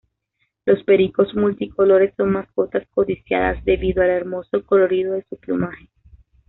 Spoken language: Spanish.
Los pericos multicolores son mascotas codiciadas debido al hermoso colorido de su plumaje.